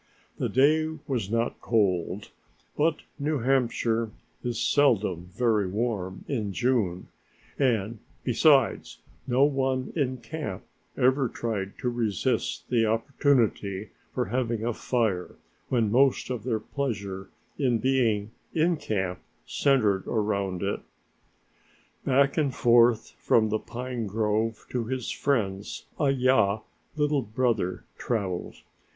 The day was not cold, but New Hampshire is seldom very warm in June and, besides, no one in camp ever tried to resist the opportunity for having a fire when most of their pleasure in being in camp centered around it. Back and forth from the pine grove to his friends Hai ya, Little Brother, traveled.